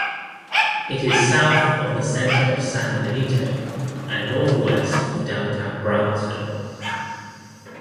It is south of the center of San Benito and northwest of downtown Brownsville.